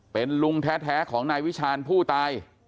เป็นลุงแท้ของนายวิชาญผู้ตาย